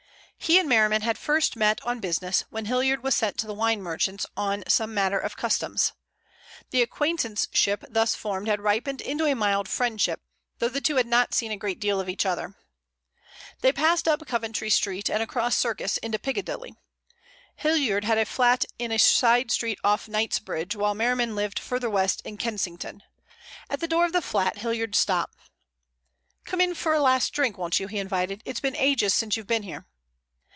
He and Merriman had first met on business, when Hilliard was sent to the wine merchants on some matter of Customs. The acquaintanceship thus formed had ripened into a mild friendship, though the two had not seen a great deal of each other. They passed up Coventry Street and across the Circus into Piccadilly. Hilliard had a flat in a side street off Knightsbridge, while Merriman lived farther west in Kensington. At the door of the flat Hilliard stopped. "Come in for a last drink, won't you?" he invited. "It's ages since you've been here."